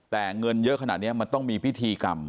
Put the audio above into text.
แต่เงินเยอะขนาดนี้มันต้องมีพิธีกรรม